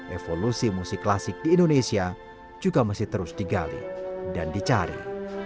evolusi musik klasik di indonesia juga masih terus digali dan dicari